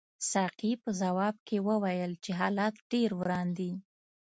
ساقي په ځواب کې وویل چې حالات ډېر وران دي.